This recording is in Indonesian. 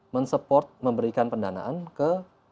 mensupport memberikan pendanaan ke